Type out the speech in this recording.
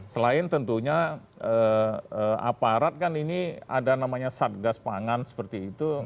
selain tentunya aparat kan ini ada namanya satgas pangan seperti itu